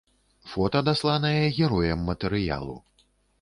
Фота дасланае героем матэрыялу.